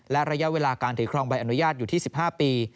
และระยะเวลาการถือครองใบอนุญาตอยู่ที่๑๕ปี